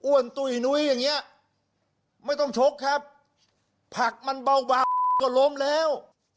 ตุ้ยนุ้ยอย่างเงี้ยไม่ต้องชกครับผักมันเบาบางก็ล้มแล้ว